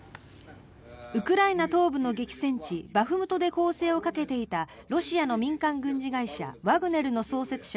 ウクライナ東部の激戦地バフムトで攻勢をかけていたロシアの民間軍事会社ワグネルの創設者